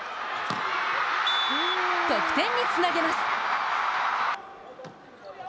得点につなげます。